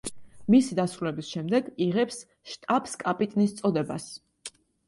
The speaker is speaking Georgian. მისი დასრულების შემდეგ იღებს შტაბს კაპიტნის წოდებას.